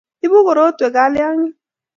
Ibu korotwek kalyangik